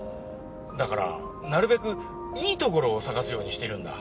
だからなるべくいいところを探すようにしてるんだ。